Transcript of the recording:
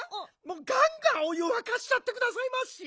ガンガンお湯わかしちゃってくださいまし！